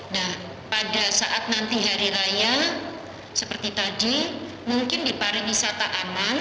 nah pada saat nanti hari raya seperti tadi mungkin di pariwisata aman